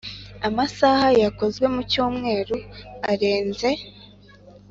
Amasaha yakozwe mu cyumweru arenze